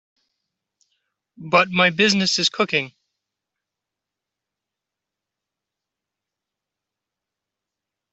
But my business is cooking.